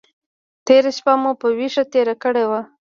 تېره شپه مو په ویښه تېره کړې وه.